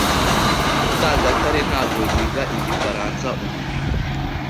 Mukagatare ntabwo yiga igifaransa ubu.